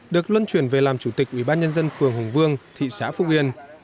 được luân truyền về làm chủ tịch ủy ban nhân dân phường hồng vương thị xã phúc yên